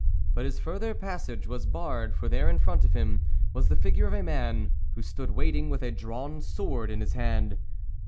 But his further passage was barred, for there in front of him was the figure of a man, who stood waiting, with a drawn sword in his hand.